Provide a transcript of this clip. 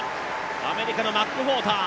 アメリカのマックフォーター。